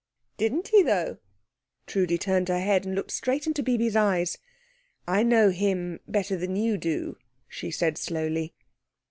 "Didn't he, though?" Trudi turned her head, and looked straight into Bibi's eyes. "I know him better than you do," she said slowly.